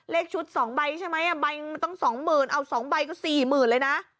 เลขชุด๒ใบใช่ไหมใบมันต้อง๒๐๐๐เอา๒ใบก็๔๐๐๐เลยนะ